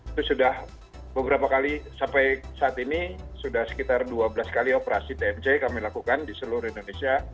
itu sudah beberapa kali sampai saat ini sudah sekitar dua belas kali operasi tmc kami lakukan di seluruh indonesia